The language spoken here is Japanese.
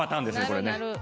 これね。